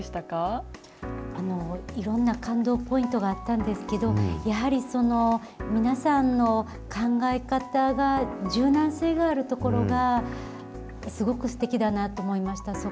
いろんな感動ポイントがあったんですけど、やはり皆さんの考え方が、柔軟性があるところがすごくすてきだなと思いました。